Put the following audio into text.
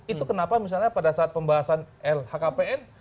itu kenapa misalnya pada saat pembahasan lhkpn